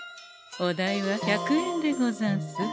お代は１００円でござんす。